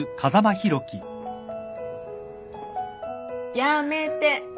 やめて！